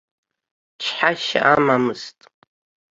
Чҳашьа амамызт.